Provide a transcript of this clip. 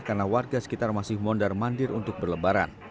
karena warga sekitar masih mondar mandir untuk berlebaran